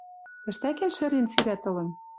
Тӹштӓкен шӹрен сирӓт ылын: